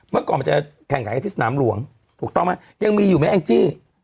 เมื่อก่อนมันจะแข่งขันกันที่สนามหลวงถูกต้องไหมยังมีอยู่ไหมแองจี้